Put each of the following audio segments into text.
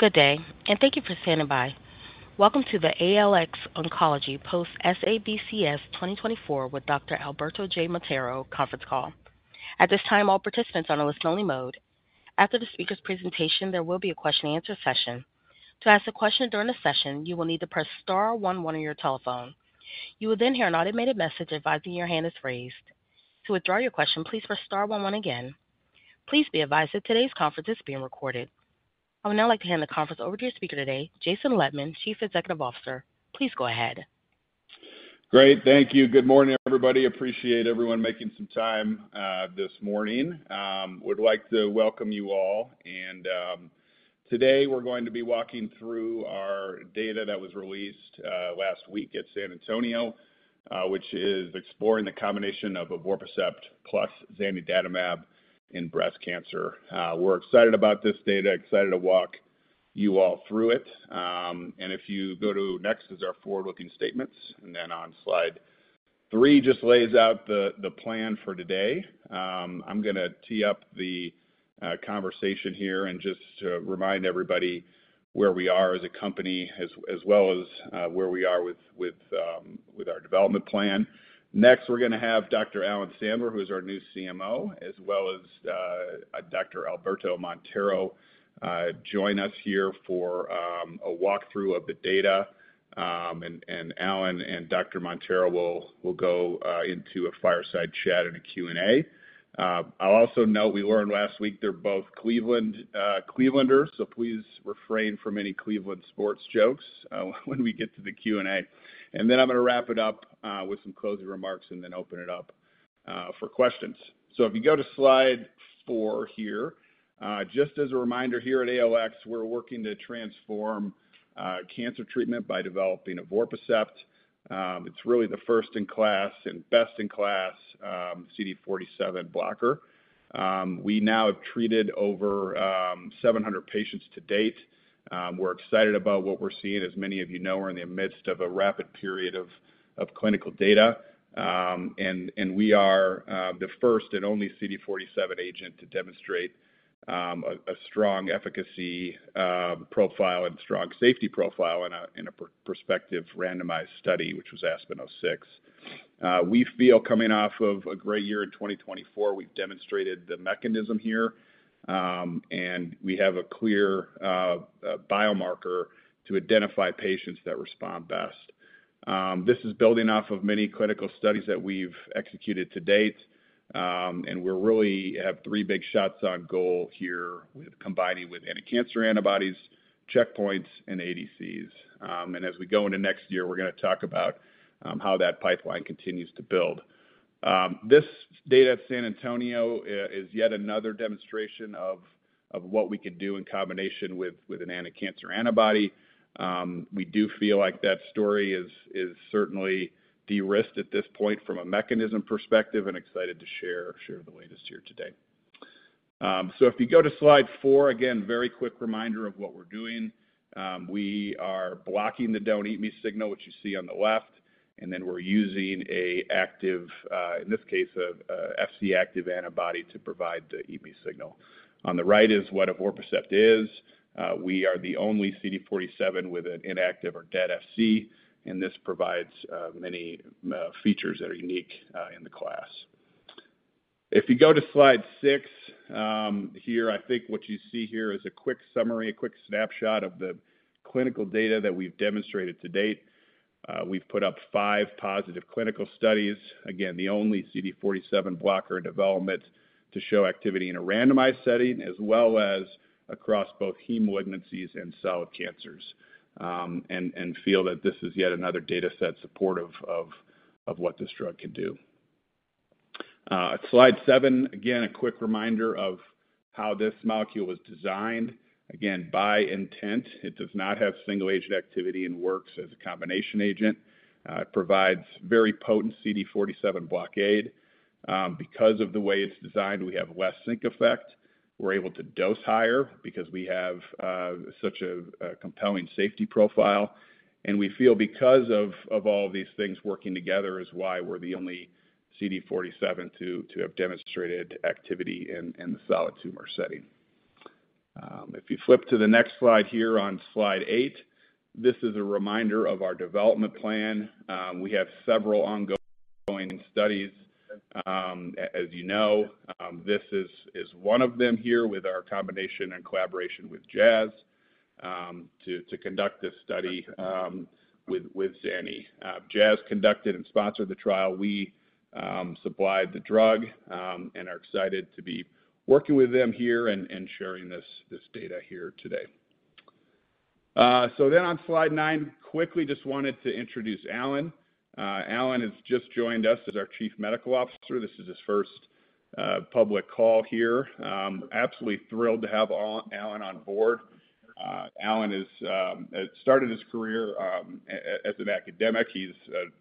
Good day, and thank you for standing by. Welcome to the ALX Oncology Post-SABCS 2024 with Dr. Alberto Montero conference call. At this time, all participants are on a listen-only mode. After the speaker's presentation, there will be a question-and-answer session. To ask a question during the session, you will need to press star 11 on your telephone. You will then hear an automated message advising your hand is raised. To withdraw your question, please press star 11 again. Please be advised that today's conference is being recorded. I would now like to hand the conference over to your speaker today, Jason Lettmann, Chief Executive Officer. Please go ahead. Great. Thank you. Good morning, everybody. Appreciate everyone making some time this morning. Would like to welcome you all. And today we're going to be walking through our data that was released last week at San Antonio, which is exploring the combination of evorpacept plus in breast cancer. We're excited about this data, excited to walk you all through it. And if you go to next, is our forward-looking statements. And then on slide three, just lays out the plan for today. I'm going to tee up the conversation here and just remind everybody where we are as a company, as well as where we are with our development plan. Next, we're going to have Dr. Alan Sandler, who is our new CMO, as well as Dr. Alberto Montero join us here for a walkthrough of the data. And Alan and Dr. Montero will go into a fireside chat and a Q&A. I'll also note we learned last week they're both Clevelanders, so please refrain from any Cleveland sports jokes when we get to the Q&A. And then I'm going to wrap it up with some closing remarks and then open it up for questions. So if you go to slide four here, just as a reminder here at ALX, we're working to transform cancer treatment by developing evorpacept. It's really the first in class and best in class CD47 blocker. We now have treated over 700 patients to date. We're excited about what we're seeing, as many of you know, we're in the midst of a rapid period of clinical data. And we are the first and only CD47 agent to demonstrate a strong efficacy profile and strong safety profile in a prospective randomized study, which was ASPEN-06. We feel coming off of a great year in 2024, we've demonstrated the mechanism here, and we have a clear biomarker to identify patients that respond best. This is building off of many clinical studies that we've executed to date, and we really have three big shots on goal here, combining with anticancer antibodies, checkpoints, and ADCs, and as we go into next year, we're going to talk about how that pipeline continues to build. This data at San Antonio is yet another demonstration of what we can do in combination with an anticancer antibody. We do feel like that story is certainly de-risked at this point from a mechanism perspective and excited to share the latest here today, so if you go to slide four, again, very quick reminder of what we're doing. We are blocking the don't eat me signal, which you see on the left. And then we're using an active, in this case, Fc active antibody to provide the eat-me signal. On the right is what evorpacept is. We are the only CD47 with an inactive or dead Fc. And this provides many features that are unique in the class. If you go to slide six here, I think what you see here is a quick summary, a quick snapshot of the clinical data that we've demonstrated to date. We've put up five positive clinical studies, again, the only CD47 blocker in development to show activity in a randomized setting, as well as across both hematologic malignancies and solid cancers. And feel that this is yet another dataset supportive of what this drug can do. At slide seven, again, a quick reminder of how this molecule was designed. Again, by intent, it does not have single-agent activity and works as a combination agent. It provides very potent CD47 blockade. Because of the way it's designed, we have less sync effect. We're able to dose higher because we have such a compelling safety profile. And we feel because of all of these things working together is why we're the only CD47 to have demonstrated activity in the solid tumor setting. If you flip to the next slide here on slide eight, this is a reminder of our development plan. We have several ongoing studies. As you know, this is one of them here with our combination and collaboration with Jazz to conduct this study with Zanny. Jazz conducted and sponsored the trial. We supplied the drug and are excited to be working with them here and sharing this data here today. So then on slide nine, quickly just wanted to introduce Alan. Alan has just joined us as our Chief Medical Officer. This is his first public call here. Absolutely thrilled to have Alan on board. Alan started his career as an academic. He's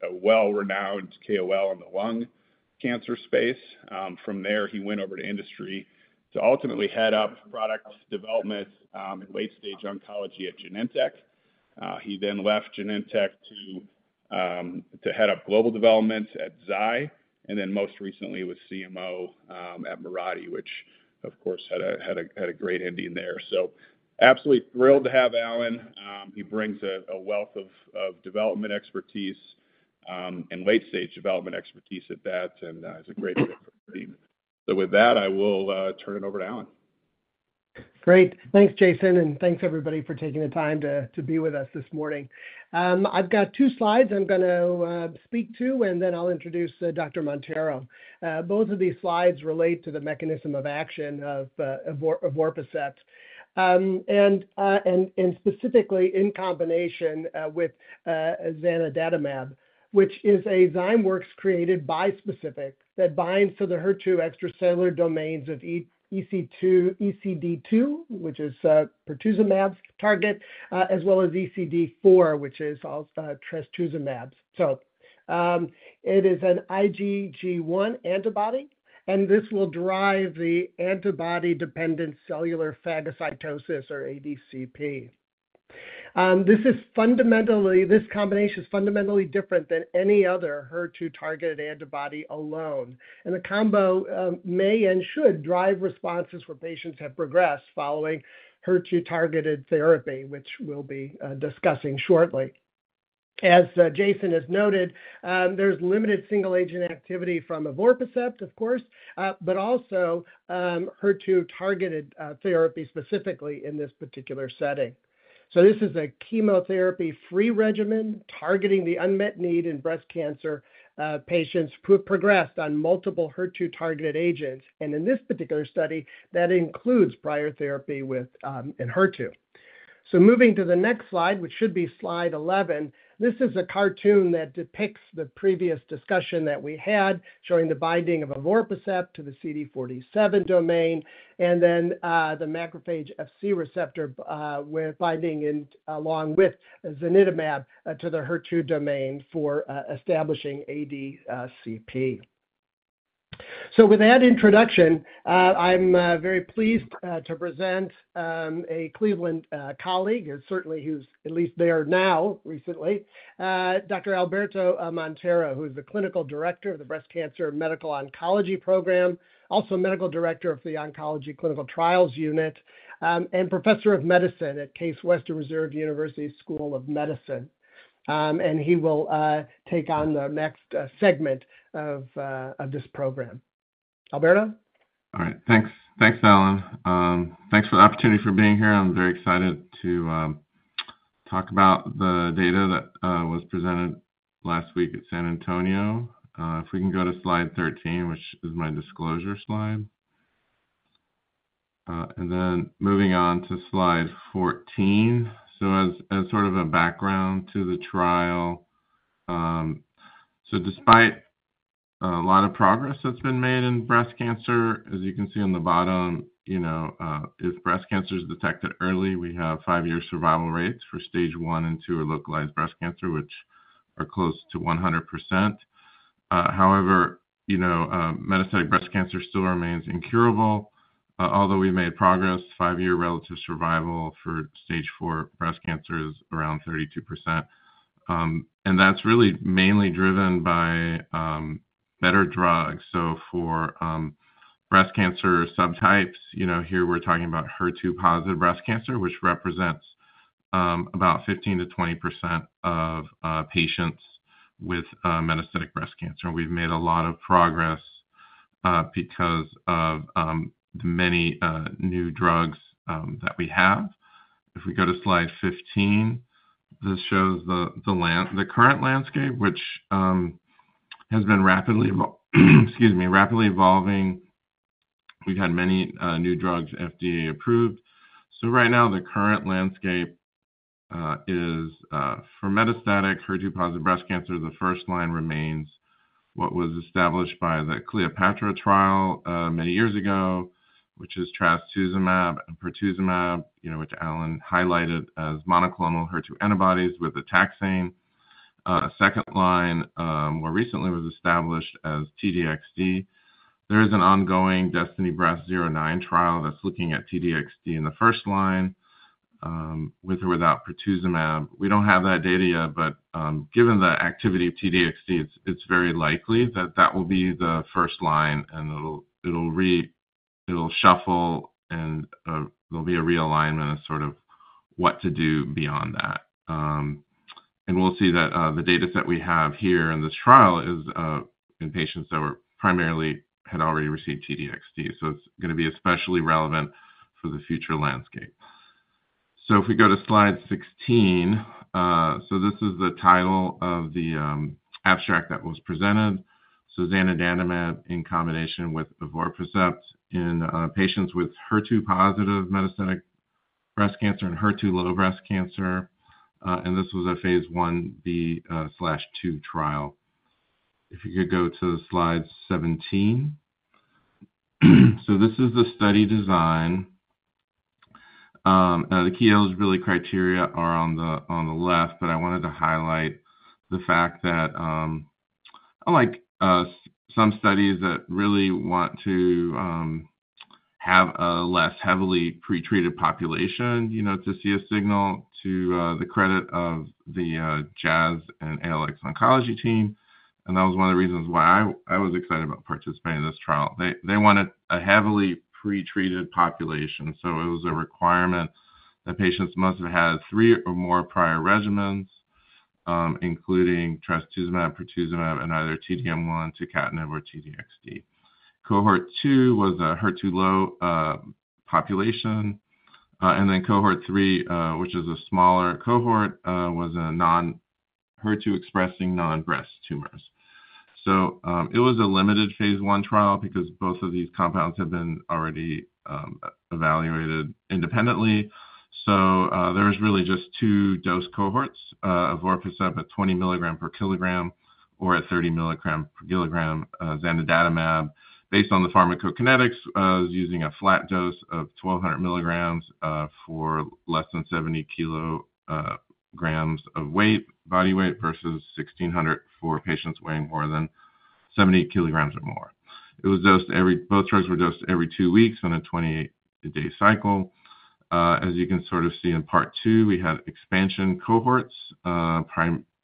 a well-renowned KOL in the lung cancer space. From there, he went over to industry to ultimately head up product development in late-stage oncology at Genentech. He then left Genentech to head up global development at Zai Lab. And then most recently, he was CMO at Mirati, which, of course, had a great ending there. So absolutely thrilled to have Alan. He brings a wealth of development expertise and late-stage development expertise at that and is a great fit for the team. So with that, I will turn it over to Alan. Great. Thanks, Jason. And thanks, everybody, for taking the time to be with us this morning. I've got two slides I'm going to speak to, and then I'll introduce Dr. Montero. Both of these slides relate to the mechanism of action of evorpacept. And specifically, in combination with zanidatamab, which is a Zymeworks created bispecific that binds to the HER2 extracellular domains of ECD2, which is pertuzumab's target, as well as ECD4, which is trastuzumab's. So it is an IgG1 antibody, and this will drive the antibody-dependent cellular phagocytosis, or ADCP. This combination is fundamentally different than any other HER2-targeted antibody alone. And the combo may and should drive responses where patients have progressed following HER2-targeted therapy, which we'll be discussing shortly. As Jason has noted, there's limited single-agent activity from evorpacept, of course, but also HER2-targeted therapy specifically in this particular setting. This is a chemotherapy-free regimen targeting the unmet need in breast cancer patients who have progressed on multiple HER2-targeted agents. And in this particular study, that includes prior therapy with HER2. Moving to the next slide, which should be slide 11, this is a cartoon that depicts the previous discussion that we had showing the binding of evorpacept to the CD47 domain and then the macrophage Fc receptor binding along with zanidatamab to the HER2 domain for establishing ADCP. With that introduction, I'm very pleased to present a Cleveland colleague, certainly who's at least there now recently, Dr. Alberto Montero, who is the Clinical Director of the Breast Cancer Medical Oncology Program, also Medical Director of the Oncology Clinical Trials Unit, and Professor of Medicine at Case Western Reserve University School of Medicine. And he will take on the next segment of this program. Alberto? All right. Thanks. Thanks, Alan. Thanks for the opportunity for being here. I'm very excited to talk about the data that was presented last week at San Antonio. If we can go to slide 13, which is my disclosure slide, and then moving on to slide 14 as sort of a background to the trial, so despite a lot of progress that's been made in breast cancer, as you can see on the bottom, if breast cancer is detected early, we have five-year survival rates for stage one and two or localized breast cancer, which are close to 100%. However, metastatic breast cancer still remains incurable. Although we've made progress, five-year relative survival for stage four breast cancer is around 32%, and that's really mainly driven by better drugs. So for breast cancer subtypes, here we're talking about HER2-positive breast cancer, which represents about 15%-20% of patients with metastatic breast cancer. And we've made a lot of progress because of the many new drugs that we have. If we go to slide 15, this shows the current landscape, which has been rapidly evolving. We've had many new drugs FDA approved. So right now, the current landscape is for metastatic HER2-positive breast cancer, the first line remains what was established by the CLEOPATRA trial many years ago, which is Trastuzumab and Pertuzumab, which Alan highlighted as monoclonal HER2 antibodies with a taxane. A second line more recently was established as T-DXd. There is an ongoing DESTINY-Breast09 trial that's looking at T-DXd in the first line with or without Pertuzumab. We don't have that data yet, but given the activity of T-DXd, it's very likely that that will be the first line and it'll shuffle and there'll be a realignment of sort of what to do beyond that. And we'll see that the dataset we have here in this trial is in patients that primarily had already received T-DXd. So it's going to be especially relevant for the future landscape. So if we go to slide 16, so this is the title of the abstract that was presented. So Zanidatamab in combination with evorpacept in patients with HER2-positive metastatic breast cancer and HER2-low breast cancer. And this was a phase 1B/2 trial. If you could go to slide 17. So this is the study design. The key eligibility criteria are on the left, but I wanted to highlight the fact that unlike some studies that really want to have a less heavily pretreated population, it's a testament to the credit of the Jazz and ALX Oncology team. And that was one of the reasons why I was excited about participating in this trial. They wanted a heavily pretreated population. So it was a requirement that patients must have had three or more prior regimens, including trastuzumab, pertuzumab, and either T-DM1, tucatinib, or T-DXd. Cohort two was a HER2-low population. And then cohort three, which is a smaller cohort, was non-HER2-expressing non-breast tumors. So it was a limited phase one trial because both of these compounds have been already evaluated independently. So there was really just two dose cohorts: evorpacept at 20 milligrams per kilogram or at 30 milligrams per kilogram Zanidatamab. Based on the pharmacokinetics, it was using a flat dose of 1,200 milligrams for less than 70 kilograms of body weight versus 1,600 for patients weighing more than 70 kilograms or more. Both drugs were dosed every two weeks on a 28-day cycle. As you can sort of see in part two, we had expansion cohorts,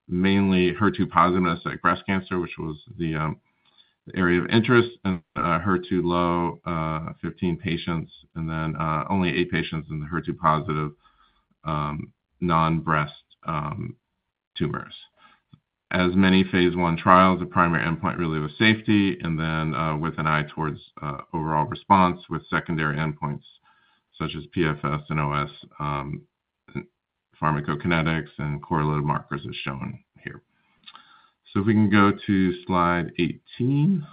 mainly HER2-positive metastatic breast cancer, which was the area of interest, and HER2-low, 15 patients, and then only eight patients in the HER2-positive non-breast tumors. As many phase one trials, the primary endpoint really was safety, and then with an eye towards overall response, with secondary endpoints such as PFS, OS, pharmacokinetics, and correlated markers as shown here. So if we can go to slide 18,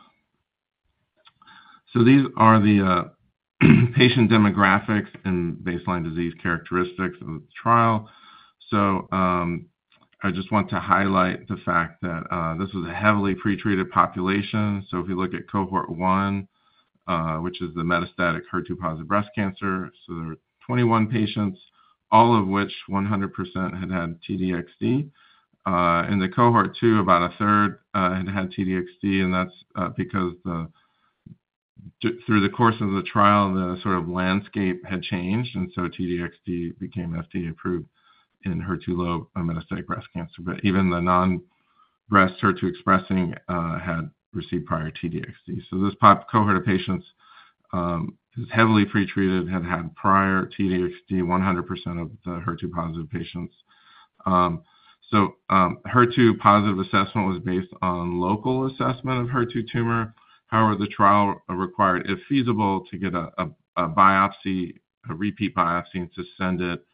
so these are the patient demographics and baseline disease characteristics of the trial. So I just want to highlight the fact that this was a heavily pretreated population. So if you look at cohort one, which is the metastatic HER2-positive breast cancer, so there were 21 patients, all of which 100% had had T-DXd. In the cohort two, about a third had had T-DXd, and that's because through the course of the trial, the sort of landscape had changed. And so T-DXd became FDA approved in HER2-low metastatic breast cancer. But even the non-breast HER2-expressing had received prior T-DXd. So this cohort of patients is heavily pretreated, had had prior T-DXd, 100% of the HER2-positive patients. So HER2-positive assessment was based on local assessment of HER2 tumor. However, the trial required, if feasible, to get a biopsy, a repeat biopsy, and to send it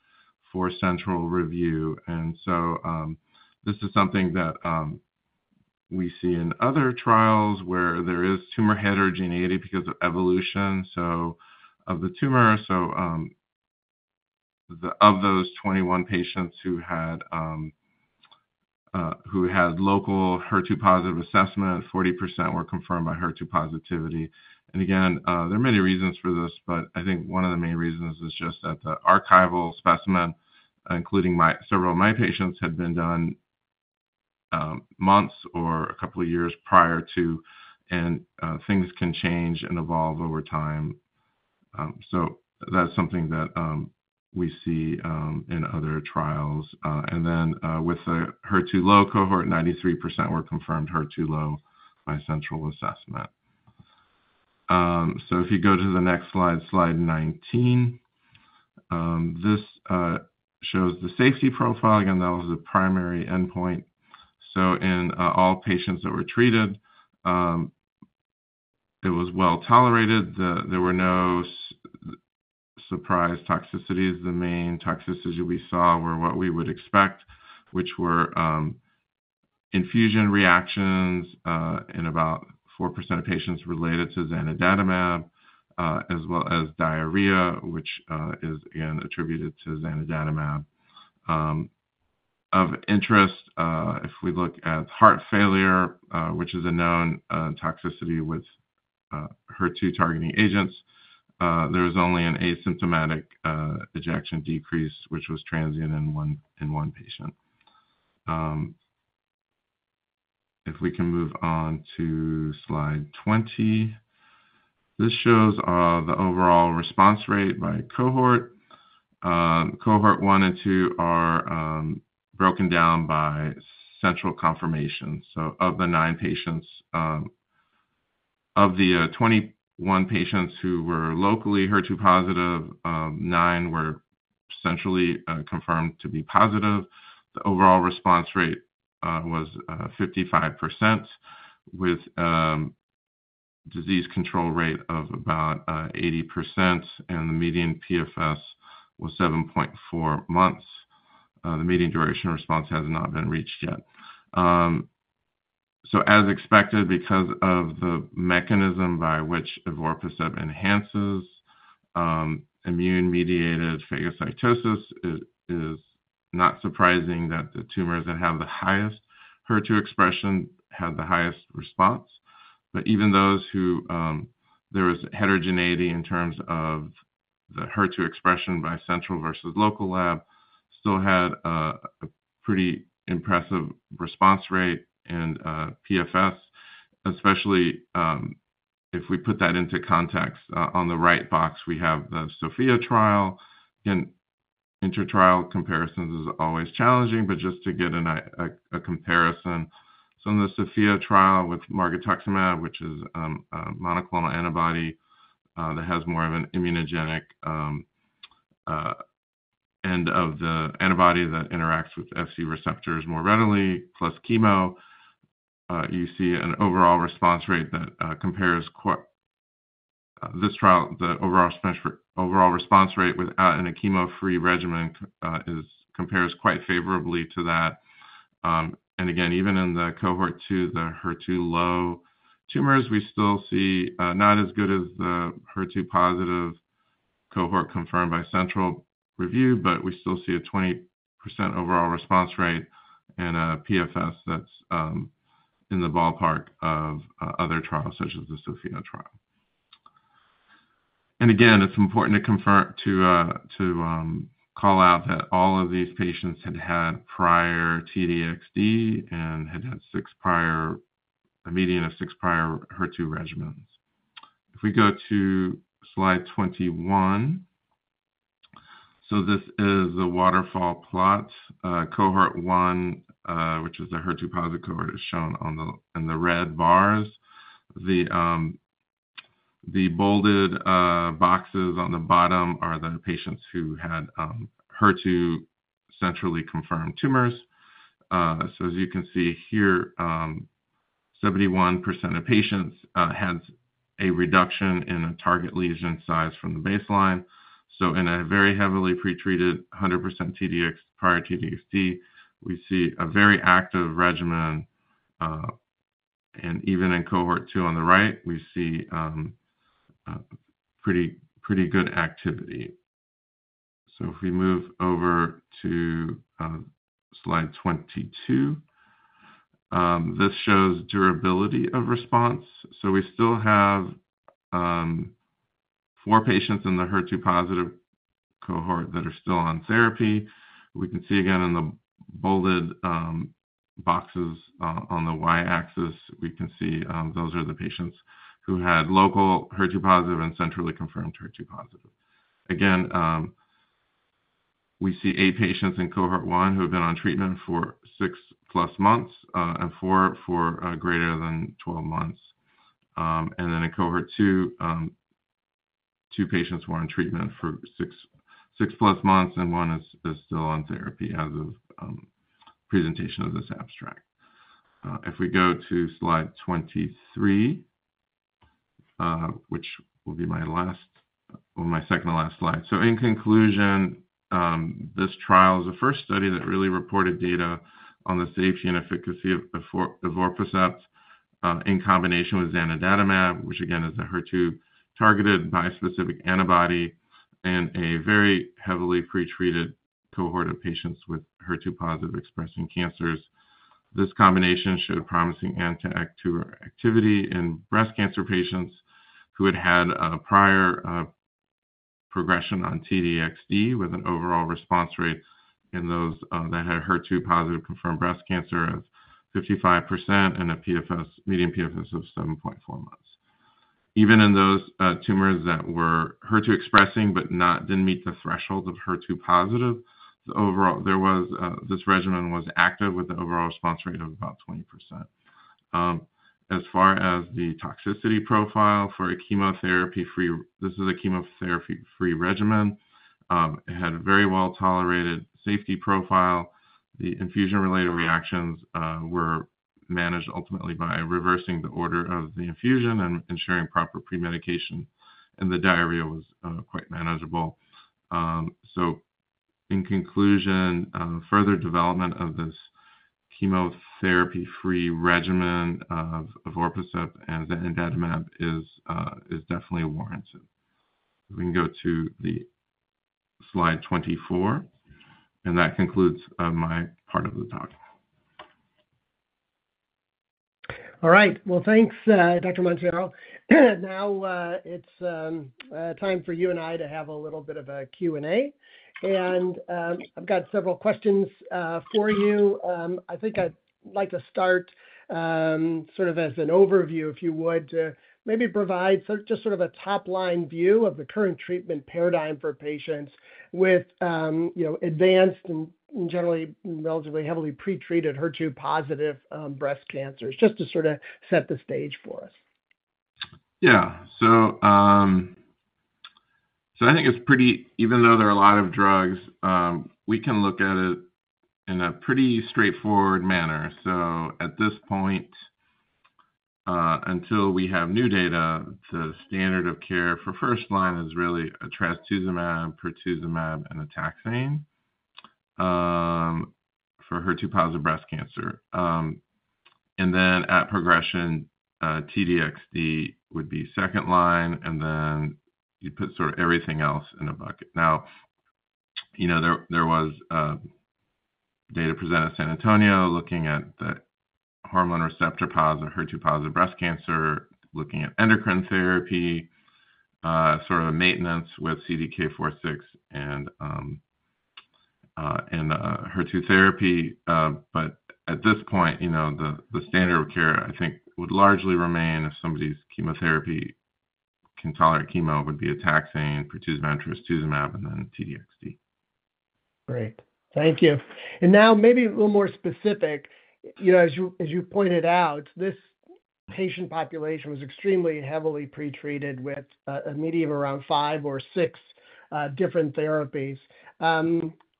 for central review. And so this is something that we see in other trials where there is tumor heterogeneity because of evolution of the tumor. So of those 21 patients who had local HER2-positive assessment, 40% were confirmed by HER2 positivity. And again, there are many reasons for this, but I think one of the main reasons is just that the archival specimen, including several of my patients, had been done months or a couple of years prior to, and things can change and evolve over time. So that's something that we see in other trials. And then with the HER2-low cohort, 93% were confirmed HER2-low by central assessment. So if you go to the next slide, slide 19, this shows the safety profile. Again, that was the primary endpoint. So in all patients that were treated, it was well tolerated. There were no surprise toxicities. The main toxicity we saw were what we would expect, which were infusion reactions in about 4% of patients related to Zanidatamab, as well as diarrhea, which is again attributed to Zanidatamab. Of interest, if we look at heart failure, which is a known toxicity with HER2-targeting agents, there was only an asymptomatic ejection decrease, which was transient in one patient. If we can move on to slide 20, this shows the overall response rate by cohort. Cohort one and two are broken down by central confirmation. So of the 21 patients who were locally HER2 positive, nine were centrally confirmed to be positive. The overall response rate was 55% with a disease control rate of about 80%, and the median PFS was 7.4 months. The median duration of response has not been reached yet. As expected, because of the mechanism by which evorpacept enhances immune-mediated phagocytosis, it is not surprising that the tumors that have the highest HER2 expression had the highest response. But even those who there was heterogeneity in terms of the HER2 expression by central versus local lab still had a pretty impressive response rate and PFS, especially if we put that into context. On the right box, we have the SOPHIA trial. Again, intertrial comparisons is always challenging, but just to get a comparison. In the SOPHIA trial with margetuximab, which is a monoclonal antibody that has more of an immunogenic end of the antibody that interacts with FC receptors more readily, plus chemo, you see an overall response rate that compares this trial, the overall response rate without any chemo-free regimen compares quite favorably to that. And again, even in the cohort two, the HER2-low tumors, we still see not as good as the HER2-positive cohort confirmed by central review, but we still see a 20% overall response rate and a PFS that's in the ballpark of other trials such as the SOPHIA trial. And again, it's important to call out that all of these patients had had prior T-DXd and had had a median of six prior HER2 regimens. If we go to slide 21, so this is the waterfall plot. Cohort one, which is the HER2-positive cohort, is shown in the red bars. The bolded boxes on the bottom are the patients who had HER2 centrally confirmed tumors. So as you can see here, 71% of patients had a reduction in the target lesion size from the baseline. So in a very heavily pretreated 100% prior T-DXd, we see a very active regimen. Even in cohort two on the right, we see pretty good activity. If we move over to slide 22, this shows durability of response. We still have four patients in the HER2-positive cohort that are still on therapy. We can see again in the bolded boxes on the Y axis, we can see those are the patients who had local HER2-positive and centrally confirmed HER2-positive. Again, we see eight patients in cohort one who have been on treatment for six plus months and four for greater than 12 months. And then in cohort two, two patients were on treatment for six plus months, and one is still on therapy as of presentation of this abstract. If we go to slide 23, which will be my second to last slide. In conclusion, this trial is the first study that really reported data on the safety and efficacy of evorpacept in combination with Zanidatamab, which again is a HER2-targeted bispecific antibody in a very heavily pretreated cohort of patients with HER2-positive expressing cancers. This combination showed promising anti-activity in breast cancer patients who had had prior progression on T-DXd with an overall response rate in those that had HER2-positive confirmed breast cancer of 55% and a median PFS of 7.4 months. Even in those tumors that were HER2-expressing but didn't meet the threshold of HER2 positive, this regimen was active with an overall response rate of about 20%. As far as the toxicity profile for a chemotherapy-free, this is a chemotherapy-free regimen. It had a very well-tolerated safety profile. The infusion-related reactions were managed ultimately by reversing the order of the infusion and ensuring proper premedication, and the diarrhea was quite manageable. So in conclusion, further development of this chemotherapy-free regimen of evorpacept and Zanidatamab is definitely warranted. We can go to the slide 24, and that concludes my part of the talk. All right. Thanks, Dr. Montero. Now it's time for you and I to have a little bit of a Q&A. I've got several questions for you. I think I'd like to start sort of as an overview, if you would, to maybe provide just sort of a top-line view of the current treatment paradigm for patients with advanced and generally relatively heavily pretreated HER2-positive breast cancers, just to sort of set the stage for us. Yeah. So I think it's pretty, even though there are a lot of drugs, we can look at it in a pretty straightforward manner. So at this point, until we have new data, the standard of care for first-line is really a trastuzumab, pertuzumab, and a taxane for HER2-positive breast cancer. And then at progression, T-DXd would be second-line, and then you'd put sort of everything else in a bucket. Now, there was data presented at San Antonio looking at the hormone receptor positive, HER2-positive breast cancer, looking at endocrine therapy, sort of maintenance with CDK4/6 and HER2 therapy. But at this point, the standard of care, I think, would largely remain if somebody's chemotherapy can tolerate chemo, would be a taxane, pertuzumab, trastuzumab, and then T-DXd. Great. Thank you. And now maybe a little more specific. As you pointed out, this patient population was extremely heavily pretreated with a median of around five or six different therapies.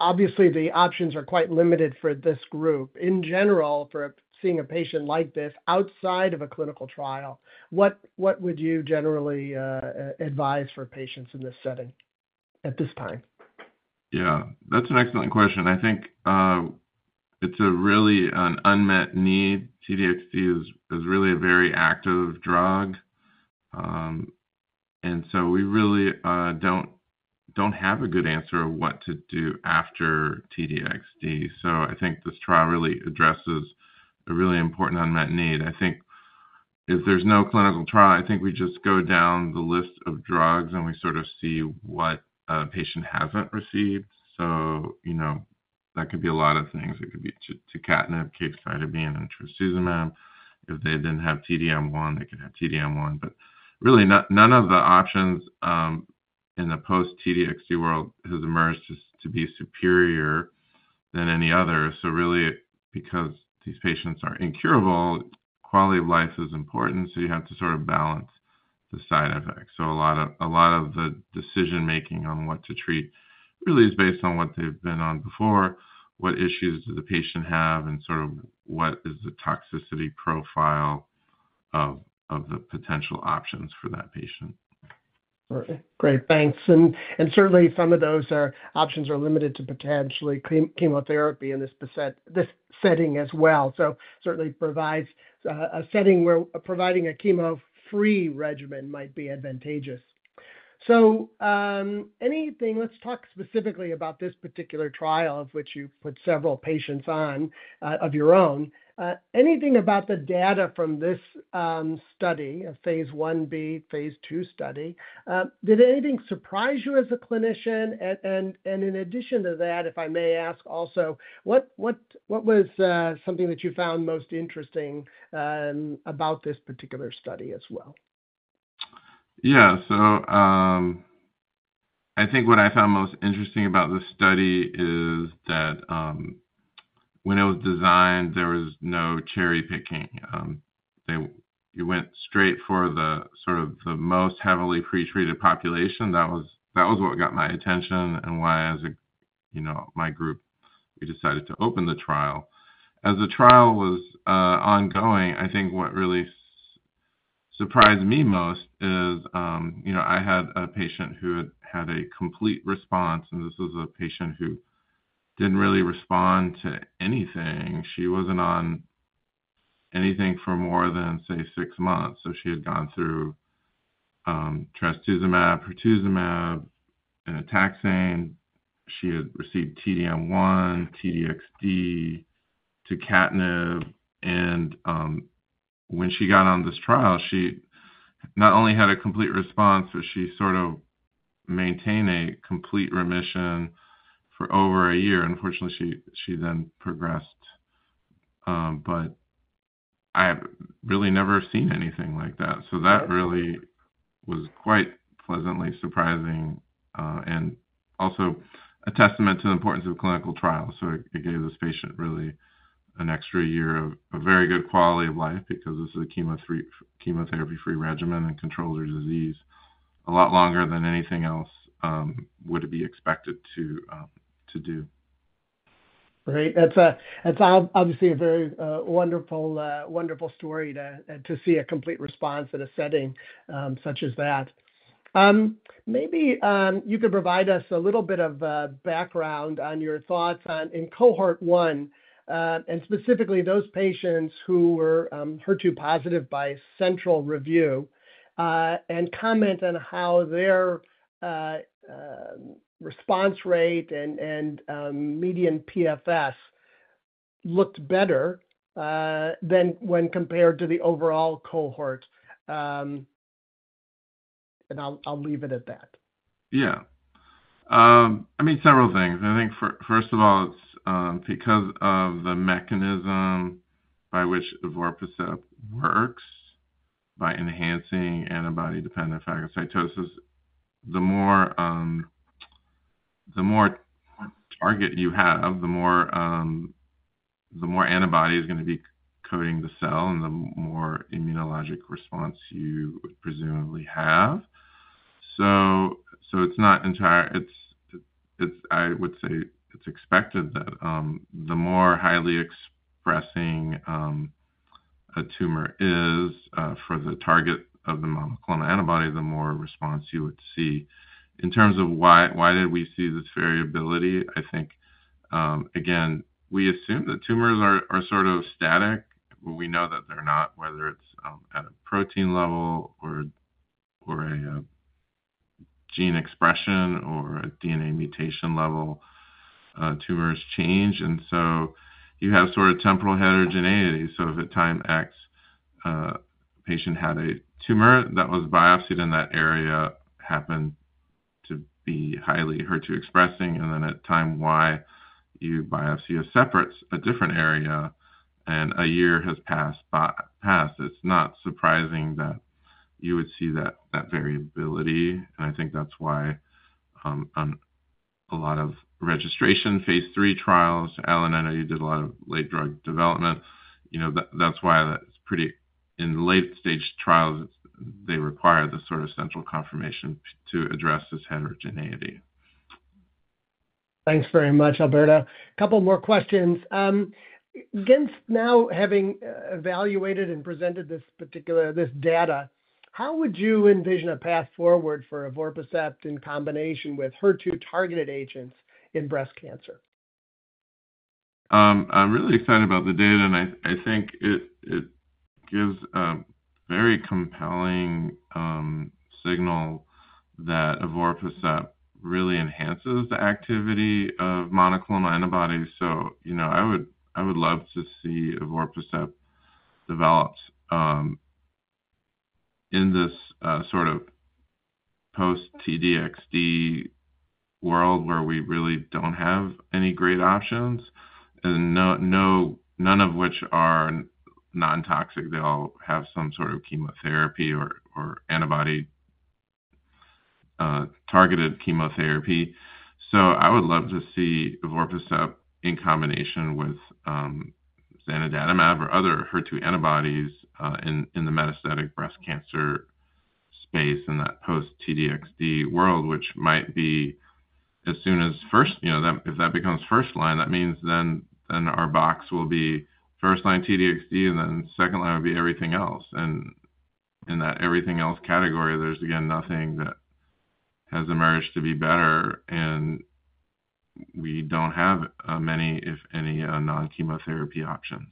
Obviously, the options are quite limited for this group. In general, for seeing a patient like this outside of a clinical trial, what would you generally advise for patients in this setting at this time? Yeah. That's an excellent question. I think it's really an unmet need. T-DXd is really a very active drug, and so we really don't have a good answer of what to do after T-DXd, so I think this trial really addresses a really important unmet need. I think if there's no clinical trial, I think we just go down the list of drugs and we sort of see what a patient hasn't received, so that could be a lot of things. It could be tucatinib, capecitabine, and trastuzumab. If they didn't have T-DM1, they could have T-DM1, but really, none of the options in the post-T-DXd world has emerged to be superior than any other, so really, because these patients are incurable, quality of life is important, so you have to sort of balance the side effects. A lot of the decision-making on what to treat really is based on what they've been on before, what issues do the patient have, and sort of what is the toxicity profile of the potential options for that patient. Great. Thanks. And certainly, some of those options are limited to potentially chemotherapy in this setting as well. So certainly, it provides a setting where providing a chemo-free regimen might be advantageous. So let's talk specifically about this particular trial of which you put several patients on of your own. Anything about the data from this study, a phase 1B, phase 2 study? Did anything surprise you as a clinician? And in addition to that, if I may ask also, what was something that you found most interesting about this particular study as well? Yeah. So I think what I found most interesting about this study is that when it was designed, there was no cherry picking. You went straight for sort of the most heavily pretreated population. That was what got my attention and why, as my group, we decided to open the trial. As the trial was ongoing, I think what really surprised me most is I had a patient who had had a complete response, and this was a patient who didn't really respond to anything. She wasn't on anything for more than, say, six months. So she had gone through trastuzumab, pertuzumab, and a taxane. She had received T-DM1, T-DXd, tucatinib. And when she got on this trial, she not only had a complete response, but she sort of maintained a complete remission for over a year. Unfortunately, she then progressed. But I have really never seen anything like that. So that really was quite pleasantly surprising and also a testament to the importance of clinical trials. So it gave this patient really an extra year of very good quality of life because this is a chemotherapy-free regimen that controls her disease a lot longer than anything else would be expected to do. Right. That's obviously a very wonderful story to see a complete response in a setting such as that. Maybe you could provide us a little bit of background on your thoughts in cohort one and specifically those patients who were HER2-positive by central review and comment on how their response rate and median PFS looked better than when compared to the overall cohort. And I'll leave it at that. Yeah. I mean, several things. I think, first of all, it's because of the mechanism by which evorpacept works by enhancing antibody-dependent phagocytosis. The more target you have, the more antibody is going to be coating the cell and the more immunologic response you presumably have. So I would say it's expected that the more highly expressing a tumor is for the target of the monoclonal antibody, the more response you would see. In terms of why did we see this variability, I think, again, we assume that tumors are sort of static. We know that they're not, whether it's at a protein level or a gene expression or a DNA mutation level, tumors change, and so you have sort of temporal heterogeneity. So if at time X, a patient had a tumor that was biopsied in that area, happened to be highly HER2-expressing, and then at time Y, you biopsy a different area and a year has passed, it's not surprising that you would see that variability. And I think that's why a lot of registration phase three trials, Alan. I know you did a lot of late-stage drug development. That's why in late-stage trials, they require this sort of central confirmation to address this heterogeneity. Thanks very much, Alberto. A couple more questions. And now having evaluated and presented this data, how would you envision a path forward for evorpacept in combination with HER2-targeted agents in breast cancer? I'm really excited about the data, and I think it gives a very compelling signal that evorpacept really enhances the activity of monoclonal antibodies. So I would love to see evorpacept developed in this sort of post-T-DXd world where we really don't have any great options, none of which are non-toxic. They all have some sort of chemotherapy or antibody-targeted chemotherapy. So I would love to see evorpacept in combination with Zanidatamab or other HER2 antibodies in the metastatic breast cancer space in that post-T-DXd world, which might be as soon as if that becomes first line, that means then our box will be first line T-DXd and then second line will be everything else. And in that everything else category, there's again nothing that has emerged to be better, and we don't have many, if any, non-chemotherapy options.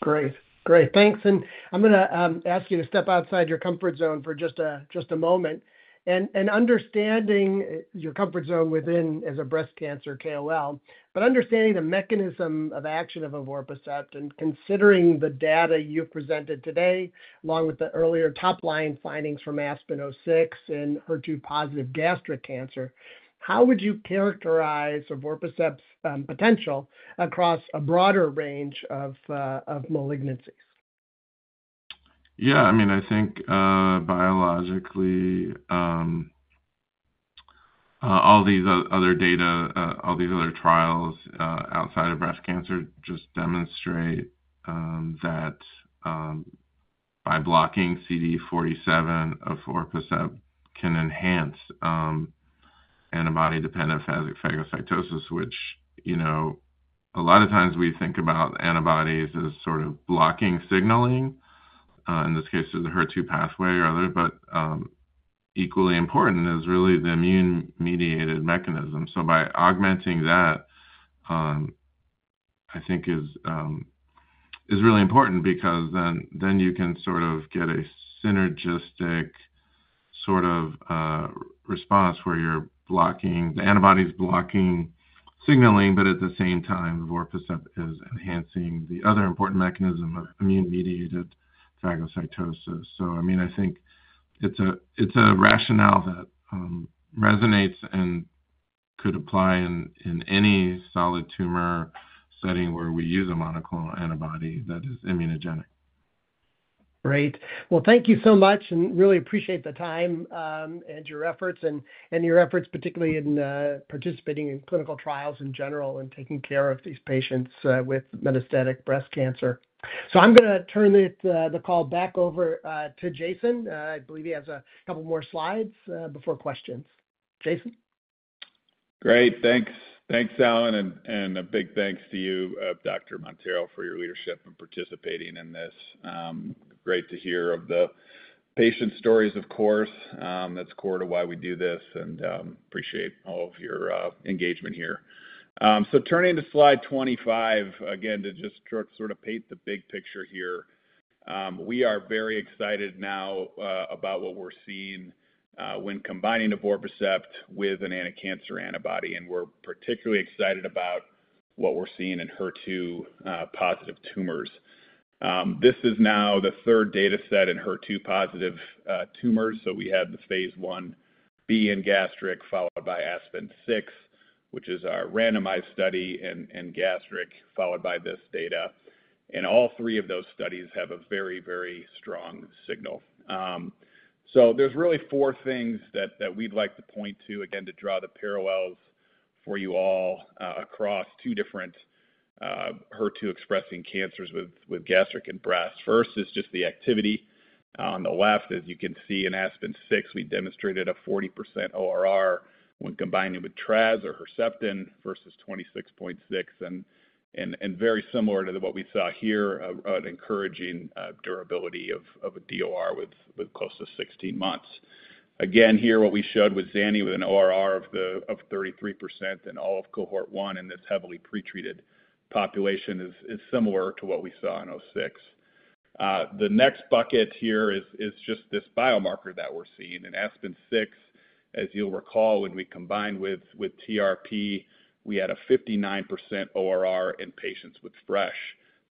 Great. Great. Thanks. I'm going to ask you to step outside your comfort zone for just a moment and understanding your comfort zone within as a breast cancer KOL, but understanding the mechanism of action of evorpacept and considering the data you've presented today along with the earlier top-line findings from ASPEN-06 in HER2-positive gastric cancer, how would you characterize evorpacept's potential across a broader range of malignancies? Yeah. I mean, I think biologically, all these other data, all these other trials outside of breast cancer just demonstrate that by blocking CD47, evorpacept can enhance antibody-dependent phagocytosis, which a lot of times we think about antibodies as sort of blocking signaling. In this case, there's a HER2 pathway or other, but equally important is really the immune-mediated mechanism. So by augmenting that, I think, is really important because then you can sort of get a synergistic sort of response where the antibody is blocking signaling, but at the same time, evorpacept is enhancing the other important mechanism of immune-mediated phagocytosis. So I mean, I think it's a rationale that resonates and could apply in any solid tumor setting where we use a monoclonal antibody that is immunogenic. Great. Well, thank you so much and really appreciate the time and your efforts, particularly in participating in clinical trials in general and taking care of these patients with metastatic breast cancer. So I'm going to turn the call back over to Jason. I believe he has a couple more slides before questions. Jason. Great. Thanks. Thanks, Alan. And a big thanks to you, Dr. Montero, for your leadership and participating in this. Great to hear of the patient stories, of course. That's core to why we do this. And appreciate all of your engagement here. So turning to slide 25, again, to just sort of paint the big picture here. We are very excited now about what we're seeing when combining evorpacept with an anticancer antibody. And we're particularly excited about what we're seeing Enhertu-positive tumors. This is now the third data set Enhertu-positive tumors. So we had the phase 1B in gastric followed by ASPEN-06, which is our randomized study, and gastric followed by this data. And all three of those studies have a very, very strong signal. So there's really four things that we'd like to point to, again, to draw the parallels for you all across two different HER2-expressing cancers with gastric and breast. First is just the activity. On the left, as you can see in ASPEN-06, we demonstrated a 40% ORR when combining with TRAZ or Herceptin versus 26.6%. And very similar to what we saw here, encouraging durability of a DOR with close to 16 months. Again, here, what we showed with Zanny with an ORR of 33% in all of cohort one in this heavily pretreated population is similar to what we saw in ASPEN-06. The next bucket here is just this biomarker that we're seeing in ASPEN-06. As you'll recall, when we combined with TRP, we had a 59% ORR in patients with fresh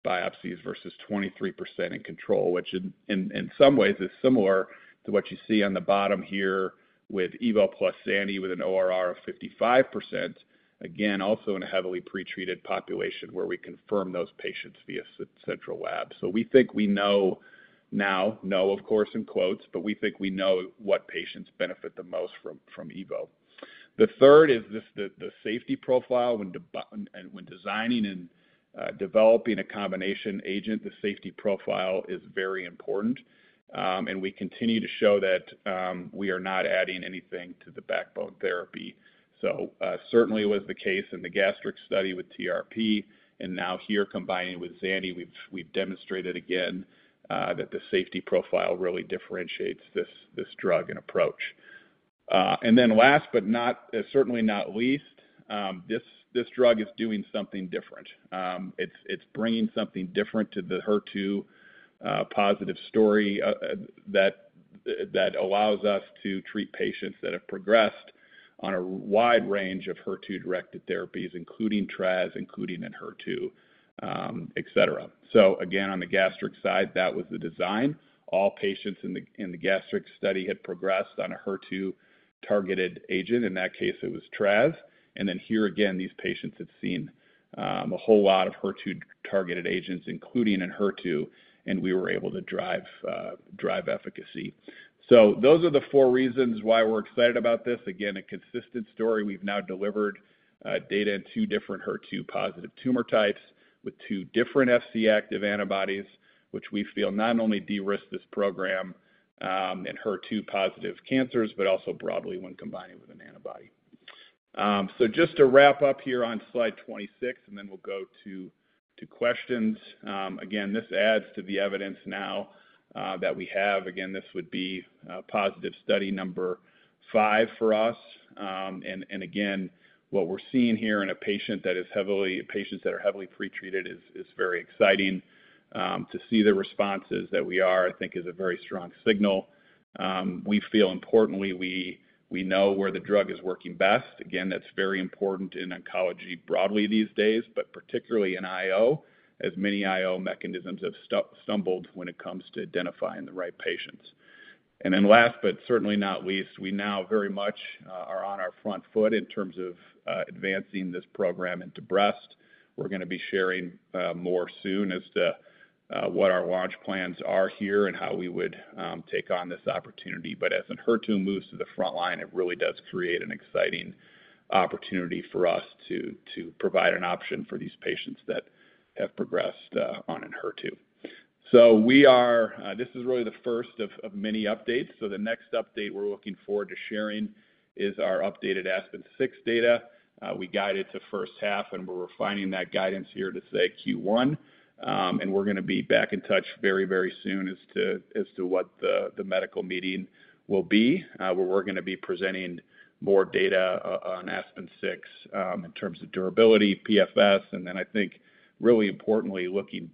biopsies versus 23% in control, which in some ways is similar to what you see on the bottom here with EVO plus Zany with an ORR of 55%, again, also in a heavily pretreated population where we confirm those patients via central lab. So we think we know now, of course, in quotes, but we think we know what patients benefit the most from EVO. The third is the safety profile. When designing and developing a combination agent, the safety profile is very important. And we continue to show that we are not adding anything to the backbone therapy. So certainly, it was the case in the gastric study with TRP. And now here, combining with Zany, we've demonstrated again that the safety profile really differentiates this drug and approach. And then last, but certainly not least, this drug is doing something different. It's bringing something different to the HER2-positive story that allows us to treat patients that have progressed on a wide range of HER2-directed therapies, including TRAZ, including Enhertu, etc. So again, on the gastric side, that was the design. All patients in the gastric study had progressed on a HER2-targeted agent. In that case, it was TRAZ. And then here, again, these patients had seen a whole lot of HER2-targeted agents, including Enhertu, and we were able to drive efficacy. So those are the four reasons why we're excited about this. Again, a consistent story. We've now delivered data in two different HER2-positive tumor types with two different FC-active antibodies, which we feel not only de-risk this program Enhertu-positive cancers, but also broadly when combining with an antibody. So just to wrap up here on slide 26, and then we'll go to questions. Again, this adds to the evidence now that we have. Again, this would be positive study number five for us. And again, what we're seeing here in patients that are heavily pretreated is very exciting. To see the responses that we are, I think, is a very strong signal. We feel importantly we know where the drug is working best. Again, that's very important in oncology broadly these days, but particularly in IO, as many IO mechanisms have stumbled when it comes to identifying the right patients. And then last, but certainly not least, we now very much are on our front foot in terms of advancing this program into breast. We're going to be sharing more soon as to what our launch plans are here and how we would take on this opportunity. But as a HER2 moves to the front line, it really does create an exciting opportunity for us to provide an option for these patients that have progressed on a HER2. So this is really the first of many updates. So the next update we're looking forward to sharing is our updated Aspen 06 data. We guided to first half, and we're refining that guidance here to say Q1. And we're going to be back in touch very, very soon as to what the medical meeting will be. We're going to be presenting more data on Aspen 06 in terms of durability, PFS, and then I think really importantly, looking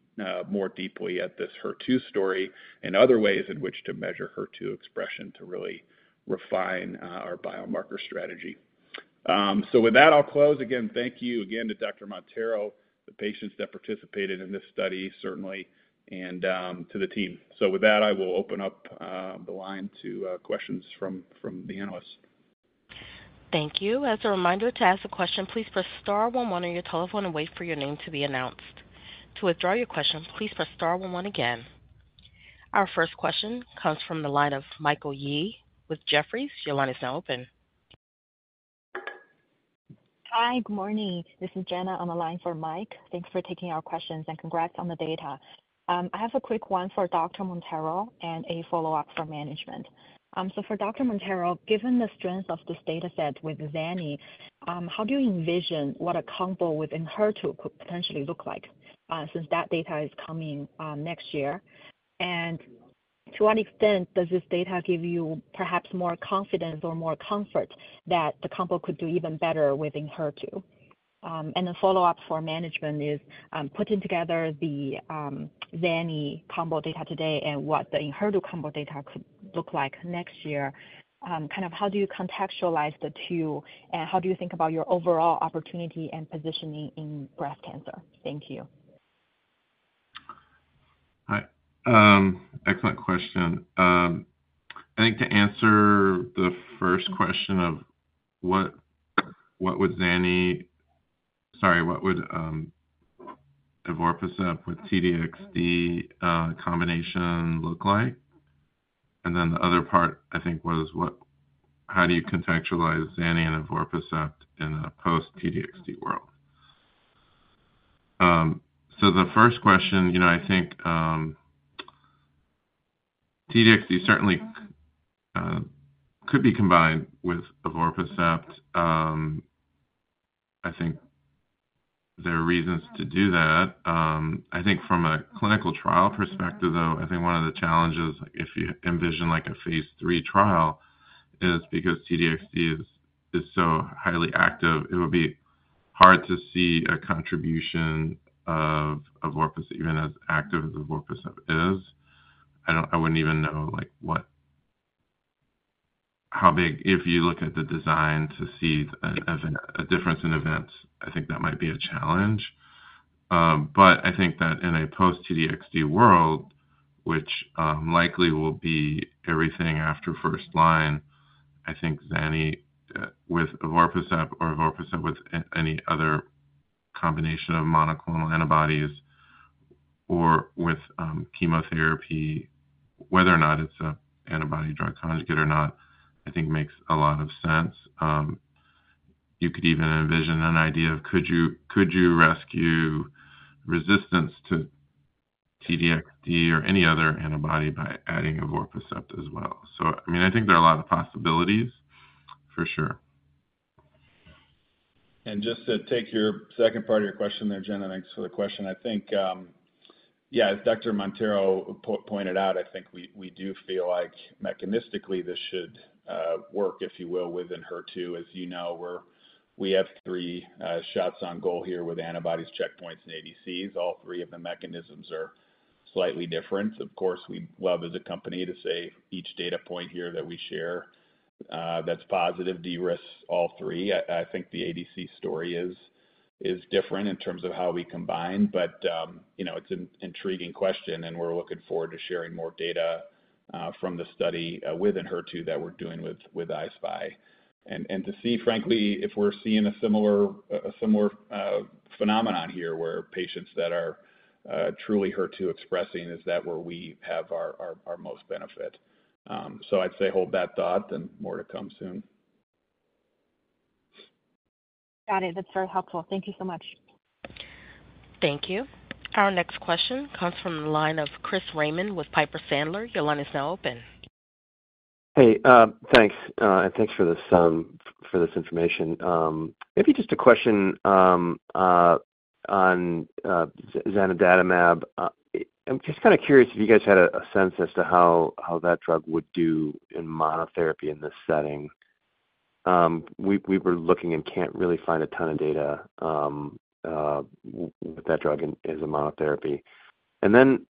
more deeply at this HER2 story and other ways in which to measure HER2 expression to really refine our biomarker strategy. So with that, I'll close. Again, thank you again to Dr. Montero, the patients that participated in this study, certainly, and to the team. So with that, I will open up the line to questions from the analysts. Thank you. As a reminder to ask a question, please press star 11 on your telephone and wait for your name to be announced. To withdraw your question, please press star 11 again. Our first question comes from the line of Michael Yee with Jefferies. Your line is now open. Hi, good morning. This is Jenna. I'm aligned for Mike. Thanks for taking our questions and congrats on the data. I have a quick one for Dr. Montero and a follow-up for management. So for Dr. Montero, given the strength of this data set with Zanidatamab, how do you envision what a combo withEnhertu could potentially look like since that data is coming next year? And to what extent does this data give you perhaps more confidence or more comfort that the combo could do even better withEnhertu? And the follow-up for management is putting together the Zanidatamab combo data today and what the evorpacept combo data could look like next year. Kind of how do you contextualize the two and how do you think about your overall opportunity and positioning in breast cancer? Thank you. Hi. Excellent question. I think to answer the first question of what would Zanny, sorry, what would evorpacept with T-DXd combination look like? And then the other part, I think, was how do you contextualize Zanny and evorpacept in a post-T-DXd world? So the first question, I think T-DXd certainly could be combined with evorpacept. I think there are reasons to do that. I think from a clinical trial perspective, though, I think one of the challenges if you envision a phase three trial is because T-DXd is so highly active, it would be hard to see a contribution of evorpacept even as active as evorpacept is. I wouldn't even know how big, if you look at the design, to see a difference in events. I think that might be a challenge. But I think that in a post-T-DXd world, which likely will be everything after first line, I think Zany with evorpacept or evorpacept with any other combination of monoclonal antibodies or with chemotherapy, whether or not it's an antibody-drug conjugate or not, I think makes a lot of sense. You could even envision an idea of could you rescue resistance to T-DXd or any other antibody by adding evorpacept as well? So I mean, I think there are a lot of possibilities for sure. Just to take your second part of your question there, Jenna, thanks for the question. I think, yeah, as Dr. Montero pointed out, I think we do feel like mechanistically this should work, if you will, withEnhertu. As you know, we have three shots on goal here with antibodies, checkpoints, and ADCs. All three of the mechanisms are slightly different. Of course, we love as a company to say each data point here that we share that's positive de-risk all three. I think the ADC story is different in terms of how we combine. But it's an intriguing question, and we're looking forward to sharing more data from the study withEnhertu that we're doing with I-SPY. And to see, frankly, if we're seeing a similar phenomenon here where patients that are truly HER2-expressing is that where we have our most benefit. So, I'd say hold that thought, and more to come soon. Got it. That's very helpful. Thank you so much. Thank you. Our next question comes from the line of Chris Raymond with Piper Sandler. Your line is now open. Hey, thanks. And thanks for this information. Maybe just a question on Zanidatamab. I'm just kind of curious if you guys had a sense as to how that drug would do in monotherapy in this setting. We were looking and can't really find a ton of data with that drug as a monotherapy. And then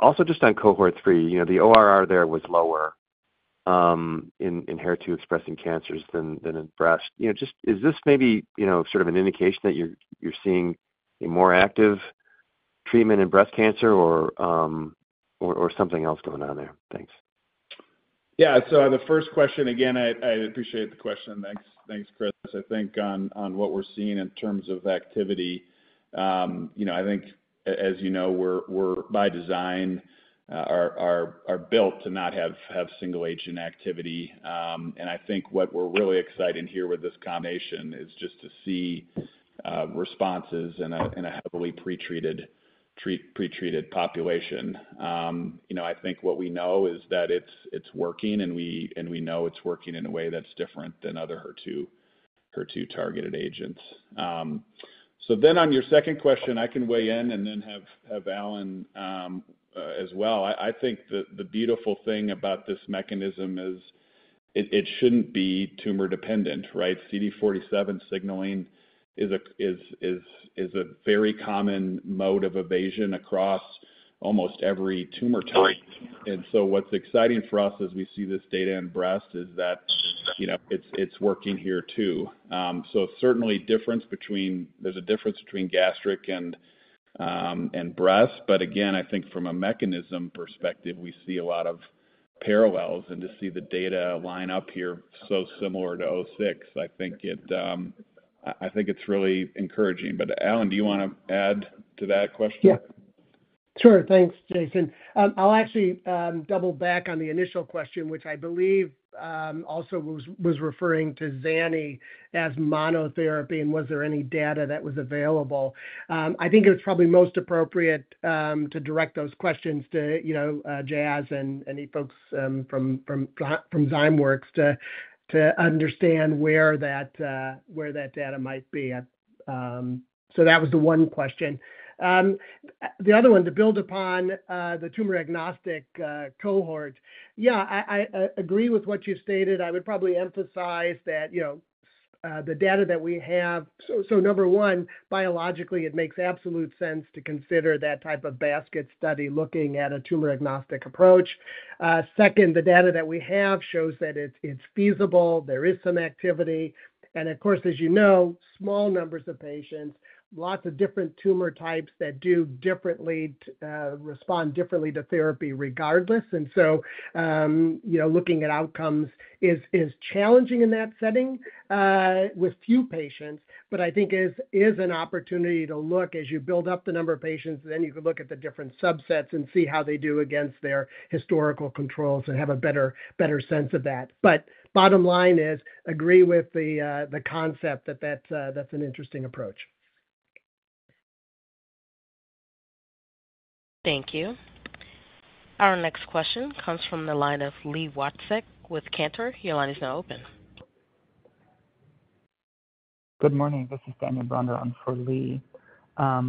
also just on cohort three, the ORR there was lower Enhertu-expressing cancers than in breast. Is this maybe sort of an indication that you're seeing a more active treatment in breast cancer or something else going on there? Thanks. Yeah. So the first question, again, I appreciate the question. Thanks, Chris. I think on what we're seeing in terms of activity, I think, as you know, we're by design built to not have single-agent activity. And I think what we're really excited here with this combination is just to see responses in a heavily pretreated population. I think what we know is that it's working, and we know it's working in a way that's different than other HER2-targeted agents. So then on your second question, I can weigh in and then have Alan as well. I think the beautiful thing about this mechanism is it shouldn't be tumor-dependent, right? CD47 signaling is a very common mode of evasion across almost every tumor type. And so what's exciting for us as we see this data in breast is that it's working here too. So certainly, there's a difference between gastric and breast. But again, I think from a mechanism perspective, we see a lot of parallels. And to see the data line up here so similar to 06, I think it's really encouraging. But Alan, do you want to add to that question? Yeah. Sure. Thanks, Jason. I'll actually double back on the initial question, which I believe also was referring to Zanidatamab as monotherapy and was there any data that was available. I think it was probably most appropriate to direct those questions to Jazz and any folks from ZymWorks to understand where that data might be. That was the one question. The other one, to build upon the tumor-agnostic cohort, yeah, I agree with what you stated. I would probably emphasize that the data that we have so number one, biologically, it makes absolute sense to consider that type of basket study looking at a tumor-agnostic approach. Second, the data that we have shows that it's feasible. There is some activity. And of course, as you know, small numbers of patients, lots of different tumor types that do differently respond differently to therapy regardless. Looking at outcomes is challenging in that setting with few patients, but I think is an opportunity to look as you build up the number of patients, then you can look at the different subsets and see how they do against their historical controls and have a better sense of that. But bottom line is agree with the concept that that's an interesting approach. Thank you. Our next question comes from the line of Li Watsek with Cantor. Your line is now open. Good morning. This is Daniel Grund for Li.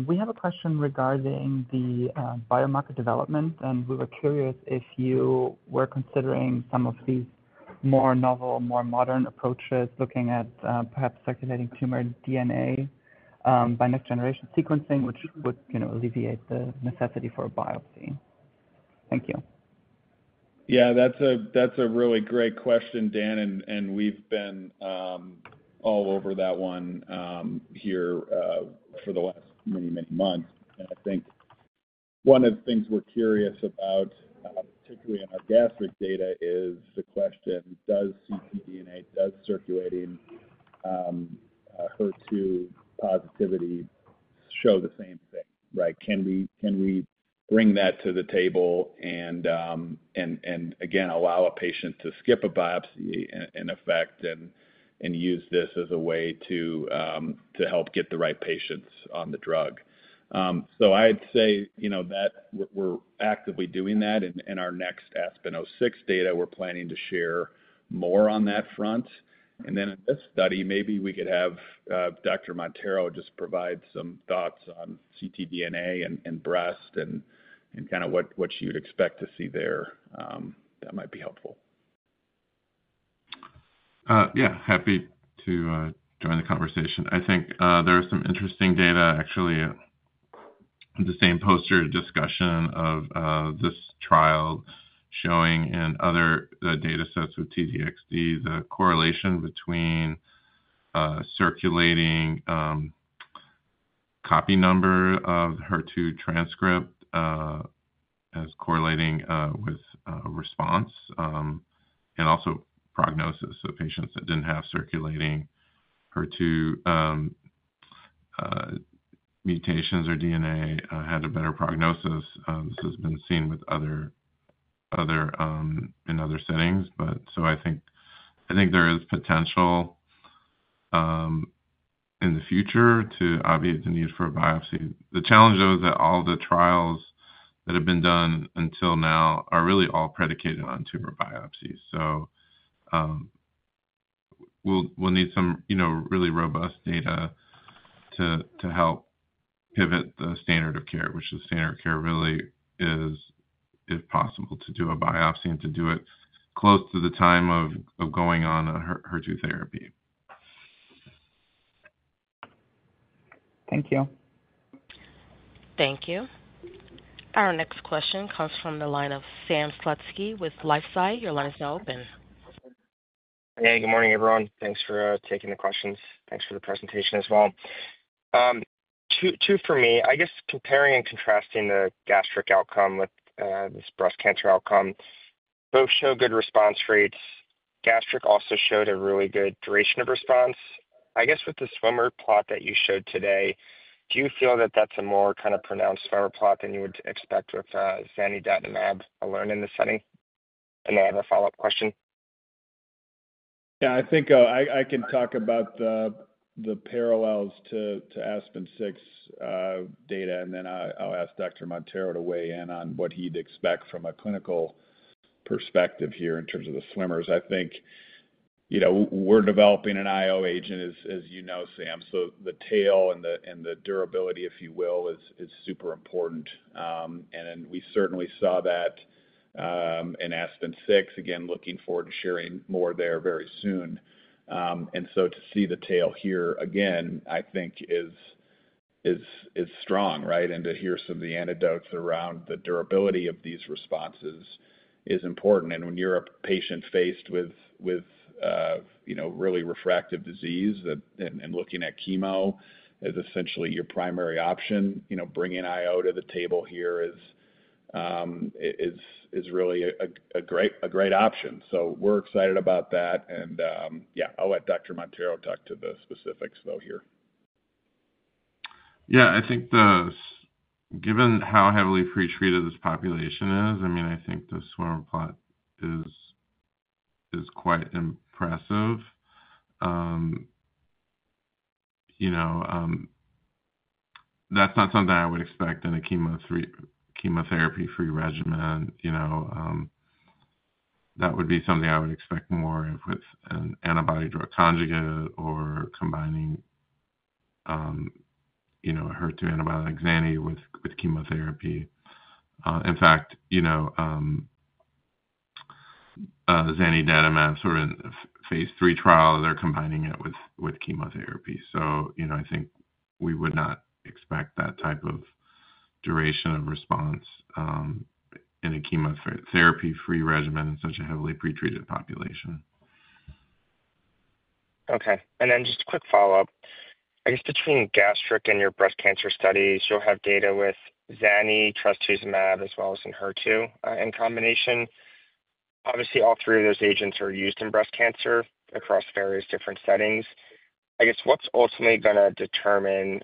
We have a question regarding the biomarker development, and we were curious if you were considering some of these more novel, more modern approaches looking at perhaps circulating tumor DNA by next-generation sequencing, which would alleviate the necessity for a biopsy. Thank you. Yeah, that's a really great question, Dan. We've been all over that one here for the last many, many months. I think one of the things we're curious about, particularly in our gastric data, is the question, does ctDNA, does circulating HER2 positivity show the same thing, right? Can we bring that to the table and, again, allow a patient to skip a biopsy in effect and use this as a way to help get the right patients on the drug? So I'd say that we're actively doing that. In our next ASPEN-06 data, we're planning to share more on that front. Then in this study, maybe we could have Dr. Montero just provide some thoughts on ctDNA and breast and kind of what you'd expect to see there. That might be helpful. Yeah. Happy to join the conversation. I think there are some interesting data, actually, in the same poster discussion of this trial showing in other data sets with T-DXd the correlation between circulating copy number of HER2 transcript as correlating with response and also prognosis. So patients that didn't have circulating HER2 mutations or DNA had a better prognosis. This has been seen in other settings. But so I think there is potential in the future to obviate the need for a biopsy. The challenge, though, is that all the trials that have been done until now are really all predicated on tumor biopsies. So we'll need some really robust data to help pivot the standard of care, which the standard of care really is, if possible, to do a biopsy and to do it close to the time of going on a HER2 therapy. Thank you. Thank you. Our next question comes from the line of Sam Slutsky with LifeSci. Your line is now open. Hey, good morning, everyone. Thanks for taking the questions. Thanks for the presentation as well. Two for me. I guess comparing and contrasting the gastric outcome with this breast cancer outcome, both show good response rates. Gastric also showed a really good duration of response. I guess with the swimmer plot that you showed today, do you feel that that's a more kind of pronounced swimmer plot than you would expect with Zanidatamab alone in this setting? And I have a follow-up question. Yeah. I think I can talk about the parallels to ASPEN-06 data, and then I'll ask Dr. Montero to weigh in on what he'd expect from a clinical perspective here in terms of the swimmers. I think we're developing an IO agent, as you know, Sam. So the tail and the durability, if you will, is super important. And we certainly saw that in ASPEN-06. Again, looking forward to sharing more there very soon. And so to see the tail here again, I think, is strong, right? And to hear some of the anecdotes around the durability of these responses is important. And when you're a patient faced with really refractory disease and looking at chemo as essentially your primary option, bringing IO to the table here is really a great option. So we're excited about that. And yeah, I'll let Dr. Montero talk to the specifics, though, here. Yeah. I think given how heavily pretreated this population is, I mean, I think the swimmer plot is quite impressive. That's not something I would expect in a chemotherapy-free regimen. That would be something I would expect more with an antibody-drug conjugate or combining HER2 antibody like Zanidatamab with chemotherapy. In fact, Zanidatamab is in a phase three trial. They're combining it with chemotherapy. So I think we would not expect that type of duration of response in a chemotherapy-free regimen in such a heavily pretreated population. Okay. And then just a quick follow-up. I guess between gastric and your breast cancer studies, you'll have data with Zanidatamab, trastuzumab, as well as Enhertu in combination. Obviously, all three of those agents are used in breast cancer across various different settings. I guess what's ultimately going to determine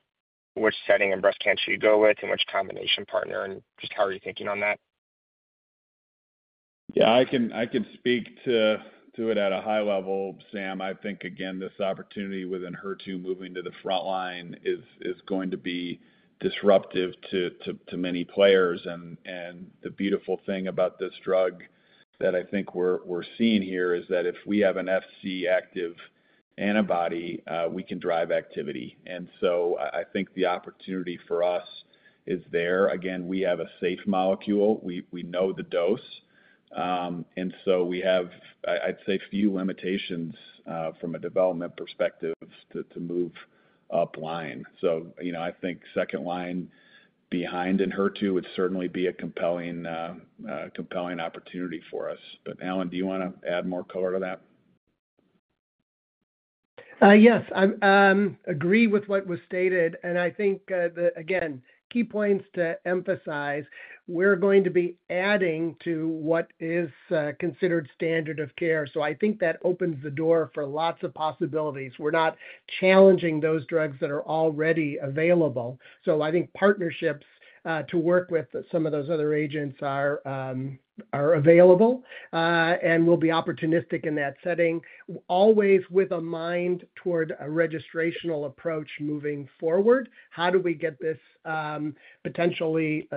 which setting in breast cancer you go with and which combination partner? And just how are you thinking on that? Yeah. I can speak to it at a high level, Sam. I think, again, this opportunity withEnhertu moving to the front line is going to be disruptive to many players. And the beautiful thing about this drug that I think we're seeing here is that if we have an Fc active antibody, we can drive activity. And so I think the opportunity for us is there. Again, we have a safe molecule. We know the dose. And so we have, I'd say, few limitations from a development perspective to move upline. So I think second line behind Enhertu would certainly be a compelling opportunity for us. But Alan, do you want to add more color to that? Yes. I agree with what was stated. And I think, again, key points to emphasize. We're going to be adding to what is considered standard of care. So I think that opens the door for lots of possibilities. We're not challenging those drugs that are already available. So I think partnerships to work with some of those other agents are available and will be opportunistic in that setting, always with a mind toward a registrational approach moving forward. How do we get this potentially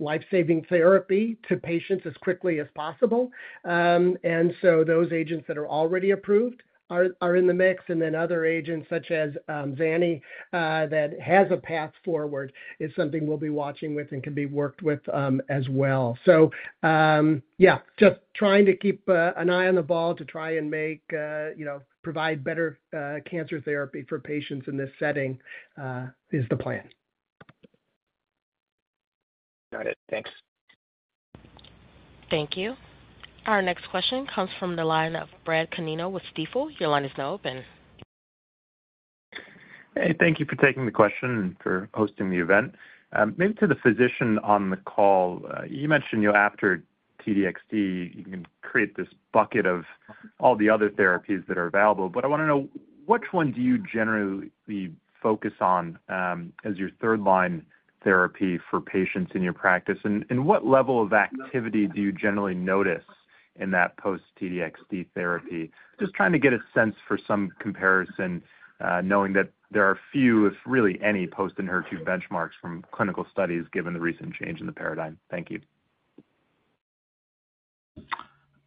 lifesaving therapy to patients as quickly as possible? And so those agents that are already approved are in the mix. And then other agents such as Zanny that has a path forward is something we'll be watching with and can be worked with as well. Just trying to keep an eye on the ball to try and provide better cancer therapy for patients in this setting is the plan. Got it. Thanks. Thank you. Our next question comes from the line of Brad Canino with Stifel. Your line is now open. Hey, thank you for taking the question and for hosting the event. Maybe to the physician on the call, you mentioned after T-DXd, you can create this bucket of all the other therapies that are available. But I want to know which one do you generally focus on as your third-line therapy for patients in your practice? And what level of activity do you generally notice in that post-T-DXd therapy? Just trying to get a sense for some comparison, knowing that there are few, if really any, post-anti-HER2 benchmarks from clinical studies given the recent change in the paradigm. Thank you.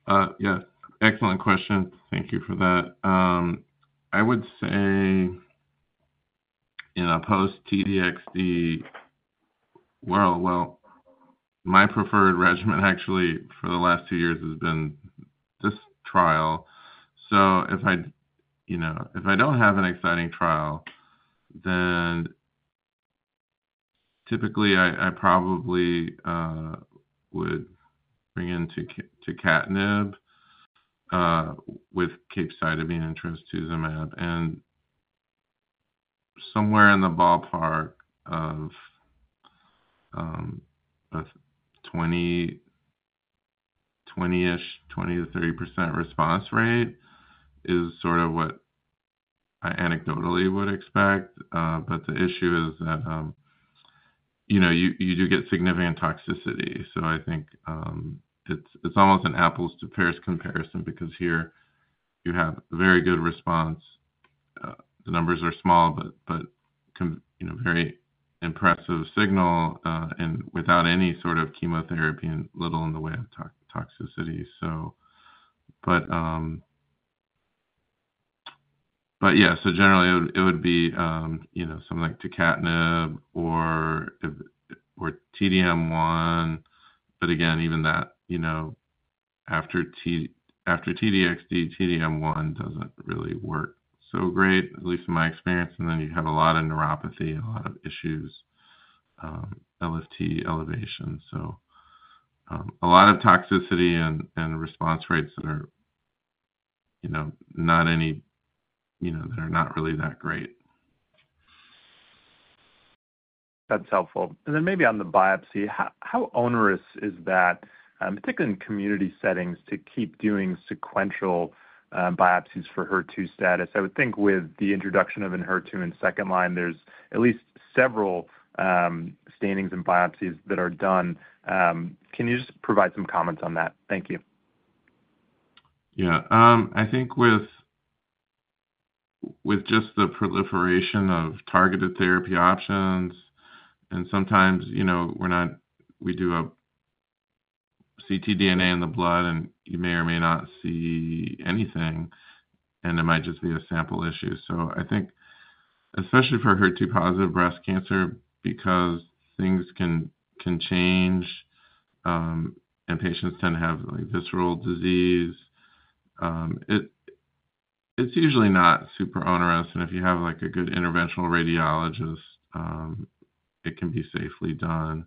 Yeah. Excellent question. Thank you for that. I would say in a post-T-DXd, well, my preferred regimen actually for the last two years has been this trial. So if I don't have an exciting trial, then typically I probably would bring into tucatinib with capecitabine and trastuzumab. And somewhere in the ballpark of 20-ish, 20%-30% response rate is sort of what I anecdotally would expect. But the issue is that you do get significant toxicity. So I think it's almost an apples-to-oranges comparison because here you have very good response. The numbers are small, but very impressive signal and without any sort of chemotherapy and little in the way of toxicity. But yeah, so generally, it would be something like tucatinib or T-DM1. But again, even that, after T-DXd, T-DM1 doesn't really work so great, at least in my experience. And then you have a lot of neuropathy and a lot of issues, LFT elevation. So a lot of toxicity and response rates that are not really that great. That's helpful, and then maybe on the biopsy, how onerous is that, particularly in community settings, to keep doing sequential biopsies for HER2 status? I would think with the introduction of Enhertu in second line, there's at least several stainings and biopsies that are done. Can you just provide some comments on that? Thank you. Yeah. I think with just the proliferation of targeted therapy options, and sometimes we do a ctDNA in the blood, and you may or may not see anything, and it might just be a sample issue, so I think especially for HER2-positive breast cancer, because things can change and patients tend to have visceral disease, it's usually not super onerous, and if you have a good interventional radiologist, it can be safely done.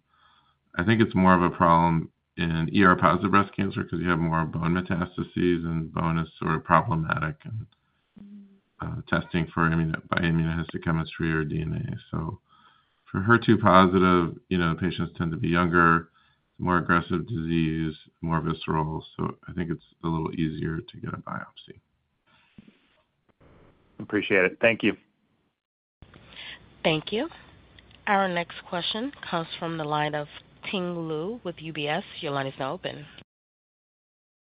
I think it's more of a problem in ER-positive breast cancer because you have more bone metastases, and bone is sort of problematic and testing by immunohistochemistry or DNA, so for HER2-positive, patients tend to be younger, more aggressive disease, more visceral. So I think it's a little easier to get a biopsy. Appreciate it. Thank you. Thank you. Our next question comes from the line of Ting Liu with UBS. Your line is now open.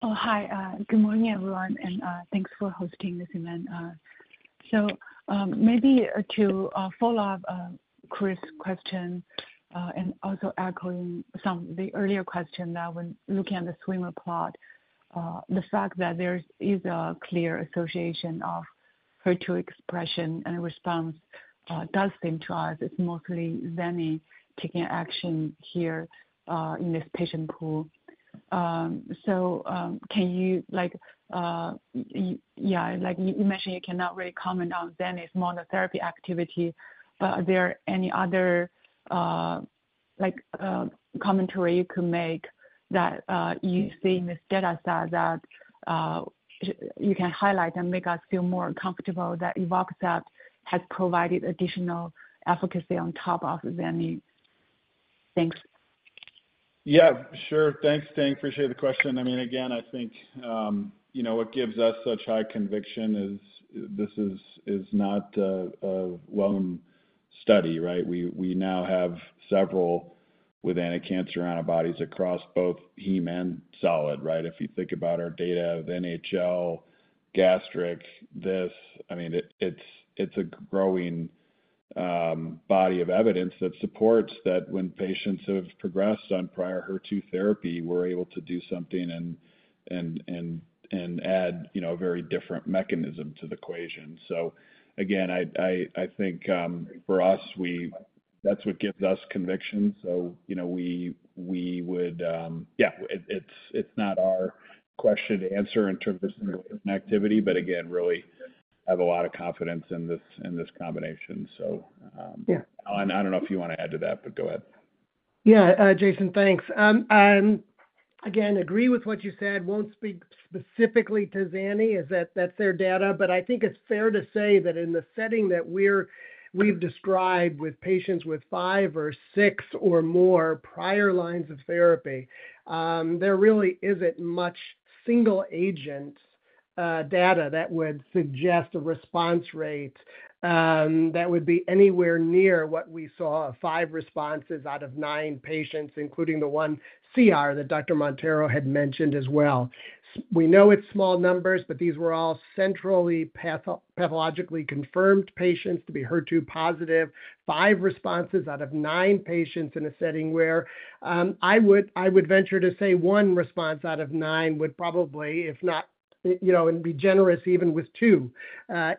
Oh, hi. Good morning, everyone. And thanks for hosting this event. So maybe to follow up Chris's question and also echoing some of the earlier questions that we're looking at the swimmer plot, the fact that there is a clear association of HER2 expression and response does seem to us it's mostly Zanny taking action here in this patient pool. So can you yeah, you mentioned you cannot really comment on Zanny's monotherapy activity, but are there any other commentary you could make that you see in this data set that you can highlight and make us feel more comfortable that evorpacept has provided additional efficacy on top of Zanny? Thanks. Yeah. Sure. Thanks, Ting. Appreciate the question. I mean, again, I think what gives us such high conviction is this is not a well-known study, right? We now have several with anticancer antibodies across both heme and solid, right? If you think about our data of NHL, gastric, this, I mean, it's a growing body of evidence that supports that when patients have progressed on prior HER2 therapy, we're able to do something and add a very different mechanism to the equation. So again, I think for us, that's what gives us conviction. So we would yeah, it's not our question to answer in terms of activity, but again, really have a lot of confidence in this combination. So Alan, I don't know if you want to add to that, but go ahead. Yeah. Jason, thanks. Again, agree with what you said. Won't speak specifically to Zanny. That's their data. But I think it's fair to say that in the setting that we've described with patients with five or six or more prior lines of therapy, there really isn't much single-agent data that would suggest a response rate that would be anywhere near what we saw, five responses out of nine patients, including the one CR that Dr. Montero had mentioned as well. We know it's small numbers, but these were all centrally pathologically confirmed patients to be HER2-positive, five responses out of nine patients in a setting where I would venture to say one response out of nine would probably, if not, and be generous even with two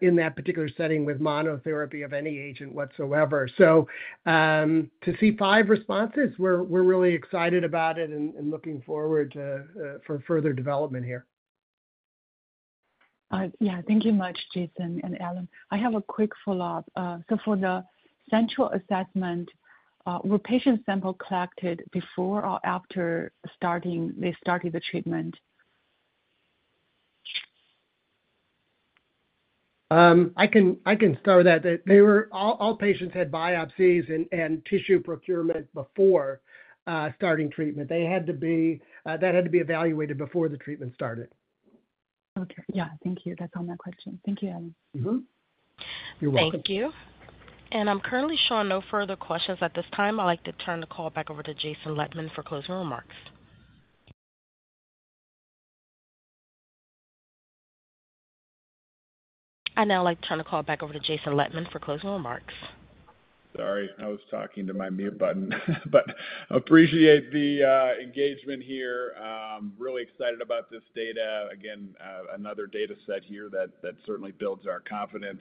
in that particular setting with monotherapy of any agent whatsoever. So to see five responses, we're really excited about it and looking forward to further development here. Yeah. Thank you much, Jason and Alan. I have a quick follow-up. So for the central assessment, were patients sample collected before or after they started the treatment? I can start with that. All patients had biopsies and tissue procurement before starting treatment. That had to be evaluated before the treatment started. Okay. Yeah. Thank you. That's all my questions. Thank you, Alan. You're welcome. Thank you. I'm currently showing no further questions at this time. I'd like to turn the call back over to Jason Lettman for closing remarks. Sorry. I was talking to my mute button. But appreciate the engagement here. Really excited about this data. Again, another data set here that certainly builds our confidence.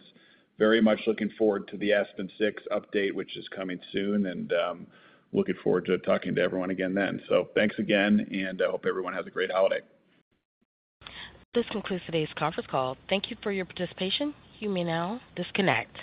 Very much looking forward to the ASPEN-06 update, which is coming soon, and looking forward to talking to everyone again then. So thanks again, and I hope everyone has a great holiday. This concludes today's conference call. Thank you for your participation. You may now disconnect.